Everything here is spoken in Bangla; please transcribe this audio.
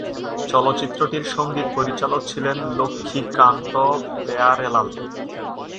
চলচ্চিত্রটির সঙ্গীত পরিচালক ছিলেন লক্ষ্মীকান্ত-প্যায়ারেলাল।